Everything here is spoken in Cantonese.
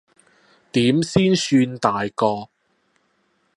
點先算大個？